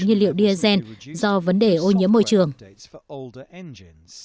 nhiên liệu diesel do vấn đề ô nhiễm môi trường